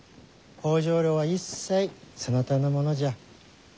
北条領は一切そなたのものじゃ。